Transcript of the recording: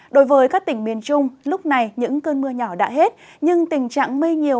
đối với các tỉnh miền trung lúc này những cơn mưa nhỏ đã hết nhưng tình trạng mây nhiều